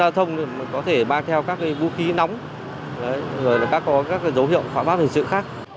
đối tượng như khi thang giao thông có thể mang theo các vũ khí nóng các dấu hiệu phá bác hình sự khác